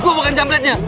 gue bukan jambretnya